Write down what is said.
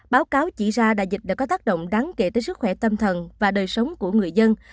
báo cáo chỉ ra đại dịch đã có tác động đáng kể tới sức khỏe tâm thần và đời sống của người dân